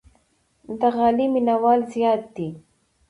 د غالۍ مینوال زیات دي.